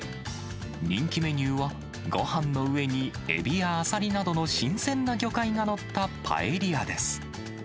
人気メニューは、ごはんの上にエビやアサリなどの新鮮な魚介が載ったパエリアです。